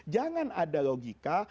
jangan ada logika